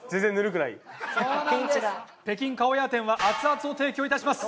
北京カォヤーテンは熱々を提供いたします。